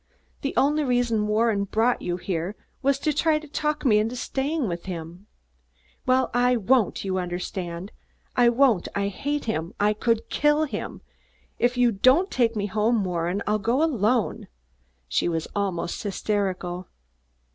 The only reason Warren brought you here, was to try to talk me into staying with him. Well, I won't, you understand? I won't! I hate him! I could kill him! If you won't take me home, Warren, I'll go alone." She was almost hysterical.